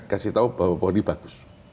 kasih tahu bahwa pohon ini bagus